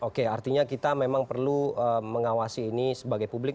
oke artinya kita memang perlu mengawasi ini sebagai publik